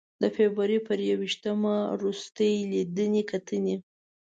د فبروري په ی ویشتمه روستۍ لیدنې کتنې.